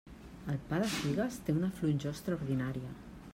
El pa de figues té una flonjor extraordinària.